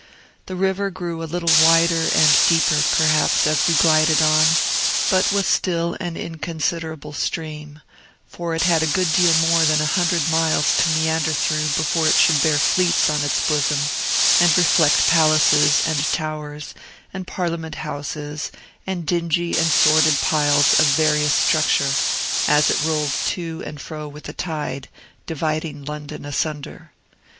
The river grew a little wider and deeper, perhaps, as we glided on, but was still an inconsiderable stream: for it had a good deal more than a hundred miles to meander through before it should bear fleets on its bosom, and reflect palaces and towers and Parliament houses and dingy and sordid piles of various structure, as it rolled two and fro with the tide, dividing London asunder.